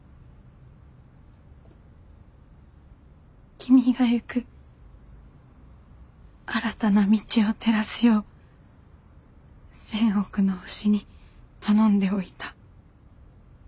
「君が行く新たな道を照らすよう千億の星に頼んでおいた」。